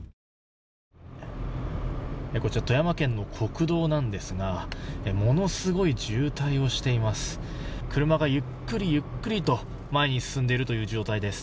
こちら富山県の国道なんですがものすごい渋滞をしています。